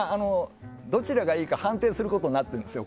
どちらがいいか判定することになっているんですよ